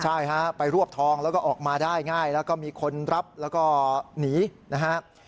ใช่ฮะไปรวบทองแล้วก็ออกมาได้ง่ายแล้วก็มีคนรับแล้วก็หนีนะครับ